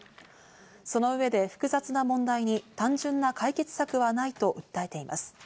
その上で複雑な問題に単純な解決策はないと訴えています。